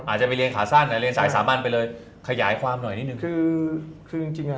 อาจจะไปเรียนขาสั้นเรียนสายสามัญไปเลยขยายความหน่อยนิดนึง